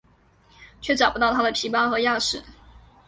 却找不到她的皮包和钥匙。